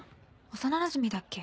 幼なじみだっけ。